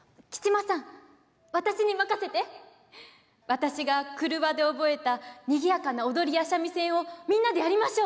私が廓で覚えたにぎやかな踊りや三味線をみんなでやりましょう。